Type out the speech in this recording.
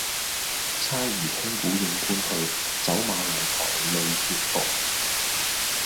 嗟余聽鼓應官去，走馬蘭台類轉蓬。